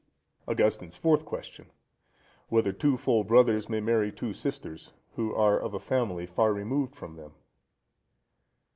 Augustine's Fourth Question.—Whether two full brothers may marry two sisters, who are of a family far removed from them?